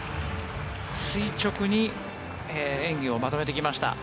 垂直に演技をまとめてきました。